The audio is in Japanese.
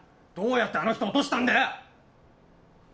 どうやってあの人落としたんだよ！